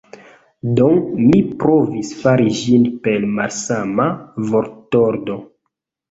Do, mi provis fari ĝin per malsama vortordo.